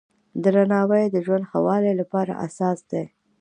درناوی د ژوند ښه والي لپاره اساس دی.